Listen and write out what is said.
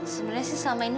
sebenernya sih selama ini